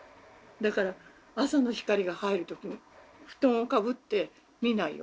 だから朝の光が入る時布団をかぶって見ないように。